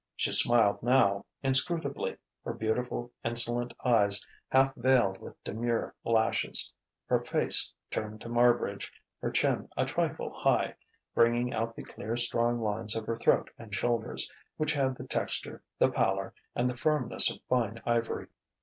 She smiled now, inscrutably, her beautiful, insolent eyes half veiled with demure lashes, her face turned to Marbridge, her chin a trifle high, bringing out the clear strong lines of her throat and shoulders, which had the texture, the pallor, and the firmness of fine ivory.